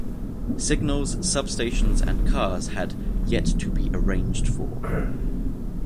Signals, substations and cars had "yet to be arranged for".